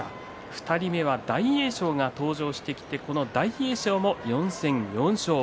２人目は大栄翔が登場してきて大栄翔も４戦４勝。